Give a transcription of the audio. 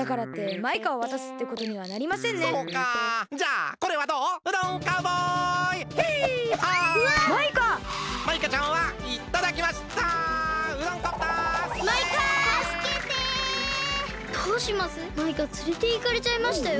マイカつれていかれちゃいましたよ。